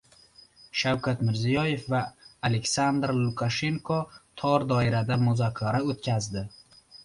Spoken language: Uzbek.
Shavkat Mirziyoyev va Aleksandr Lukashenko tor doirada muzokara o‘tkazdi